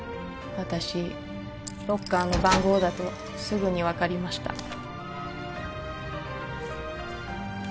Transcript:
私ロッカーの番号だとすぐに分かりました